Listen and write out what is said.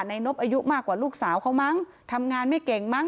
นบอายุมากกว่าลูกสาวเขามั้งทำงานไม่เก่งมั้